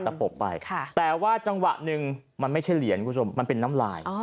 ปบไปแต่ว่าจังหวะหนึ่งมันไม่ใช่เหรียญคุณผู้ชมมันเป็นน้ำลาย